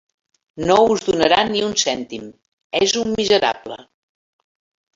No us donarà ni un cèntim: és un miserable.